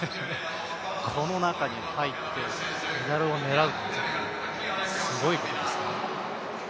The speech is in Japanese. この中に入ってメダルを狙うってすごいことですね。